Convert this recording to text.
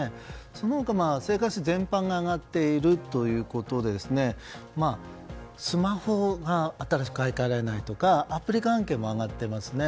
その他、生活品全般が上がっているということでスマホが新しく買い換えられないとかアプリ関係も上がっていますね。